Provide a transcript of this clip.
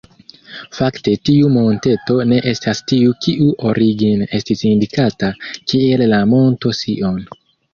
Fakte tiu monteto ne estas tiu kiu origine estis indikata kiel la Monto Sion.